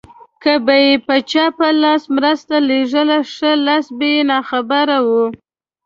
که به يې په چپ لاس مرسته لېږله ښی لاس به يې ناخبره و.